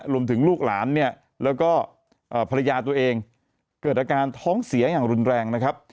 ลูกหลานเนี่ยแล้วก็ภรรยาตัวเองเกิดอาการท้องเสียอย่างรุนแรงนะครับ